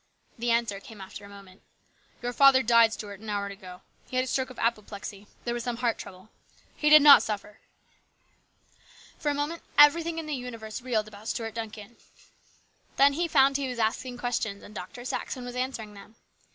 The answer came after a moment. " Your father died, Stuart, an hour ago. He had a stroke of apoplexy. There was some heart trouble. He did not suffer." For a moment everything in the universe reeled about Stuart Duncan. Then he found he was asking questions and Dr. Saxon was answering them.